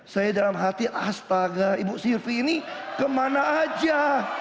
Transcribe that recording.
saya dalam hati astaga ibu sirvi ini kemana aja